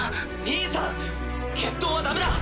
兄さん決闘はダメだ！